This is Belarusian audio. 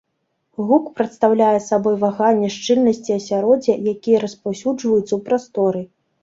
Гук прадстаўляе сабой ваганні шчыльнасці асяроддзя, якія распаўсюджваюцца ў прасторы.